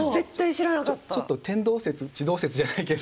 ちょっと天動説地動説じゃないけど。